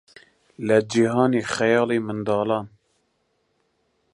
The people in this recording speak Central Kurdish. لە جیهانی خەیاڵیی منداڵان